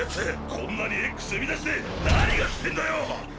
こんなにＸ生み出して何がしてぇんだよ！！